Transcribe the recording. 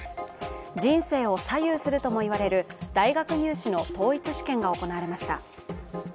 人生を左右するとも言われる大学入試の統一試験が行われました。